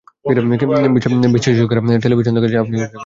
বিশেষজ্ঞরা মনে করেন, টেলিভিশন দেখার সময় আপনি অনেক সময় অসচেতন হয়ে থাকেন।